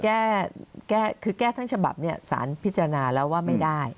แก้แก้คือแก้ทั้งฉบับเนี่ยสารพิจารณาแล้วว่าไม่ได้